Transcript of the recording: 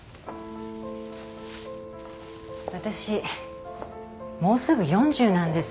私もうすぐ４０なんです。